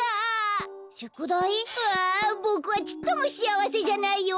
ああっボクはちっともしあわせじゃないよアゲルナー！